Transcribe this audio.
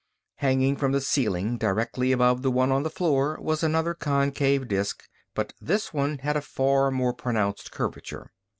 Hanging from the ceiling, directly above the one on the floor, was another concave disk, but this one had a far more pronounced curvature.